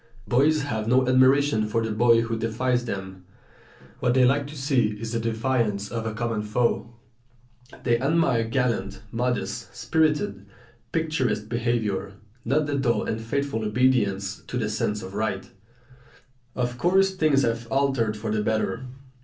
Boys have no admiration for the boy who defies them; what they like to see is the defiance of a common foe. They admire gallant, modest, spirited, picturesque behaviour, not the dull and faithful obedience to the sense of right. Of course things have altered for the better.